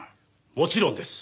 もちろんです。